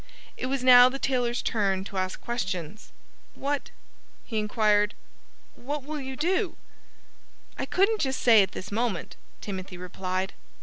It was now the tailor's turn to ask questions. "What" he inquired "what will you do?" "I couldn't just say at this moment," Timothy replied.